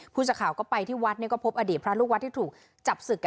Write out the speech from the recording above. สักข่าวก็ไปที่วัดก็พบอดีตพระลูกวัดที่ถูกจับศึก